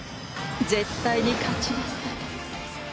絶対に勝ちなさい。